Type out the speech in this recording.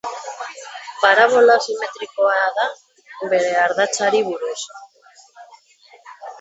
Parabola simetrikoa da bere ardatzari buruz.